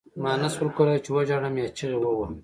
ما نشول کولای چې وژاړم یا چیغې ووهم